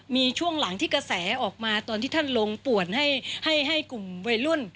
มีช่วงหลังที่กระแสออกมาตอนที่ท่านลงป่วนให้กลุ่มวัยรุ่น